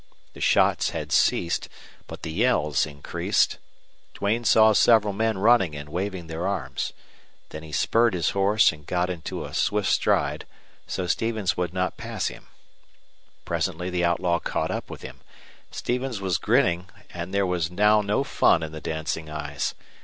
The shots had ceased, but the yells increased. Duane saw several men running and waving their arms. Then he spurred his horse and got into a swift stride, so Stevens would not pass him. Presently the outlaw caught up with him. Stevens was grinning, but there was now no fun in the dancing eyes.